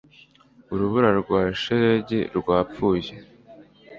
urubura rwa shelegi rwapfuye